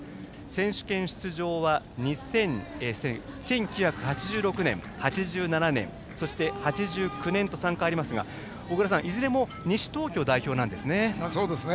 選手権出場は１９８６年、８７年そして８９年と３回ありますが小倉さん、いずれも西東京代表なんですね。